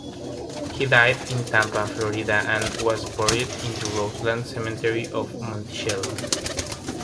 He died in Tampa, Florida, and was buried in the Roseland cemetery in Monticello.